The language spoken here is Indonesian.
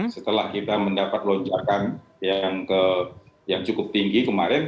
setelah kita mendapat lonjakan yang cukup tinggi kemarin